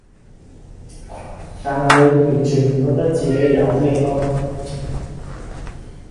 但係完全唔覺得同自己有咩????????